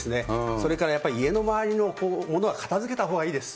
それからやっぱり家の周りのものは片づけたほうがいいです。